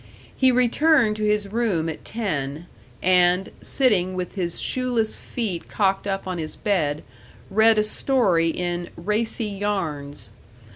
He returned to his room at ten, and, sitting with his shoeless feet cocked up on his bed, read a story in Racy Yarns.